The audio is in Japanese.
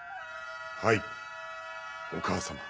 はいお母様。